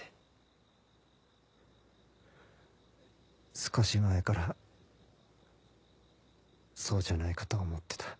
少し前からそうじゃないかと思ってた。